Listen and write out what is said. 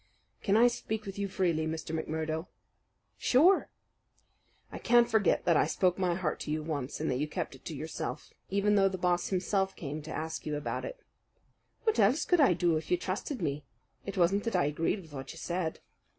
"Can I speak with you freely, Mr. McMurdo?" "Sure." "I can't forget that I spoke my heart to you once, and that you kept it to yourself, even though the Boss himself came to ask you about it." "What else could I do if you trusted me? It wasn't that I agreed with what you said."